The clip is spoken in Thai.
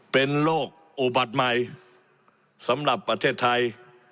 เป็นโรคอุบัติใหม่สำหรับประเทศไทย